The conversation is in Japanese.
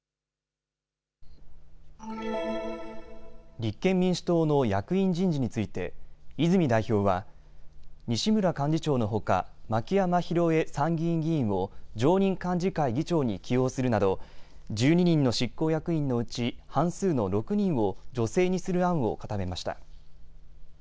立憲民主党の役員人事について泉代表は西村幹事長のほか牧山ひろえ参議院議員を常任幹事会議長に起用するなど１２人の執行役員のうち半数の６人を女性にする案を固めました。